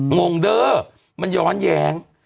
งงเด้อมันย้อนแย้ง